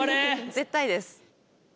絶対です。